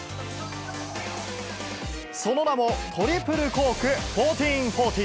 その名も、トリプルコーク１４４０。